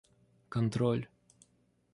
контроль